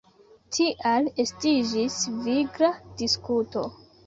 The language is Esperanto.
Tial estiĝis vigla diskuto.